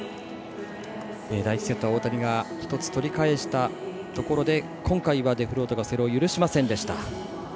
第１セットは大谷が１つ取り返したところで今回はデフロートがそれを許しませんでした。